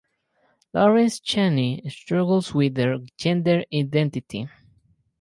Lawrence Chaney struggles with their gender identity.